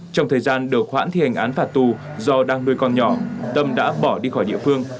trong thời gian được khoản thi hành án phạt tù do đang nuôi con nhỏ tâm đã bỏ đi khỏi địa phương